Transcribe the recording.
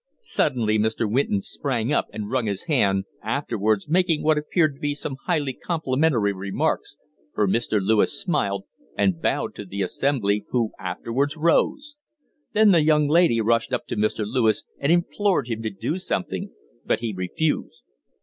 Suddenly Mr. Winton sprang up and wrung his hand, afterwards making what appeared to be some highly complimentary remarks, for Mr. Lewis smiled and bowed to the assembly, who afterwards rose. Then the young lady rushed up to Mr. Lewis and implored him to do something, but he refused.